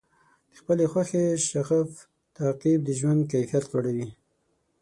د خپلې خوښې شغف تعقیب د ژوند کیفیت لوړوي.